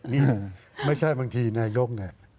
นี่ไม่ใช่บางทีนายก